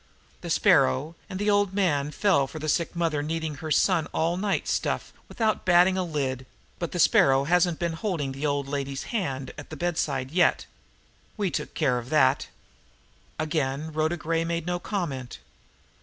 The Sparrow and the old man fell for the sick mother, needing her son all night stuff without batting a lid; but the Sparrow hasn't been holding the old lady's hand at the bedside yet. We took care of that." Again Rhoda Gray made no comment.